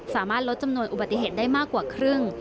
สามารถลดจำนวนอุบัติเหตุได้มากกว่าครึ่ง